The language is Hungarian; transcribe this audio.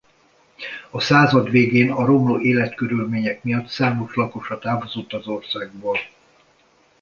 A század végén a romló életkörülmények miatt számos lakosa távozott az országból.